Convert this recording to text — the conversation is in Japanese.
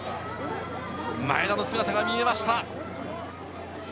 前田の姿が見えました。